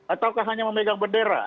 ataukah hanya memegang bendera